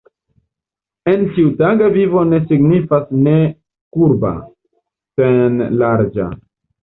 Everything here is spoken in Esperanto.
En ĉiutaga lingvo signifas ne kurba, sen larĝa.